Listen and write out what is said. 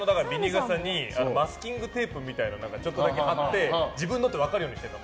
傘にマスキングテープみたいなのちょっとだけ貼って自分のって分かるようにしてるの。